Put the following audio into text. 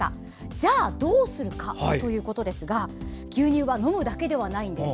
じゃあ、どうするかということですが牛乳は飲むだけではないんです。